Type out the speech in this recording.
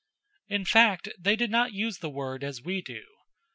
In fact, they did not use the word as we do.